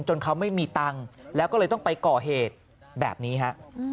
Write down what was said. เขาไม่มีตังค์แล้วก็เลยต้องไปก่อเหตุแบบนี้ฮะ